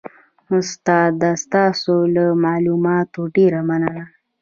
استاده ستاسو له معلوماتو ډیره مننه